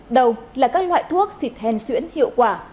đầu là các loại thuốc xịt hen xuyễn hiệu quả